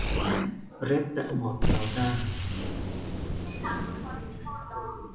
Rét đã ngọt vào da